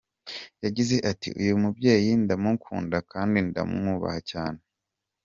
Yagize ati "Uyu mubyeyi ndamukunda kandi ndamwubaha cyane.